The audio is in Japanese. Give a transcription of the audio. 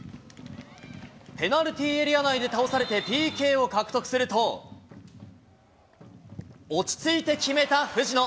ペナルティーエリア内で倒されてＰＫを獲得すると、落ち着いて決めた藤野。